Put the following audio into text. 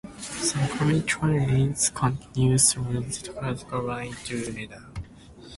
Some commute trains continue through the Takarazuka Line to Umeda.